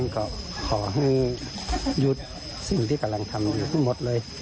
ก็ขอให้หยุดสิ่งที่กำลังทำอยู่ทั้งหมดเลย